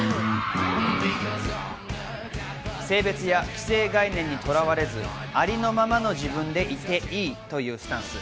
性別や既成概念にとらわれず、ありのままの自分でいていいというスタンス。